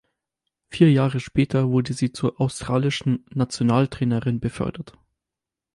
Vier Jahre später wurde sie zur australischen Nationaltrainerin befördert.